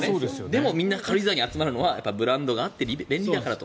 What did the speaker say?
でもみんな軽井沢に集まるのはブランドがあっていいからと。